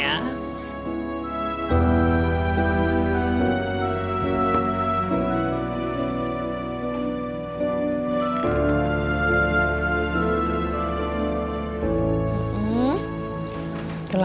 ya simpen ya